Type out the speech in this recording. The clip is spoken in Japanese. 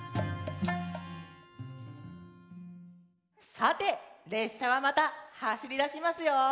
さてれっしゃはまたはしりだしますよ。